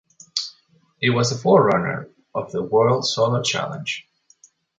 It was the forerunner of the "World Solar Challenge".